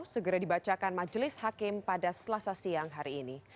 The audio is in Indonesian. segera dibacakan majelis hakim pada selasa siang hari ini